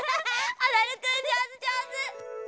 おどるくんじょうずじょうず！